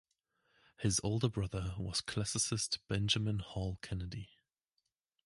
His older brother was classicist Benjamin Hall Kennedy.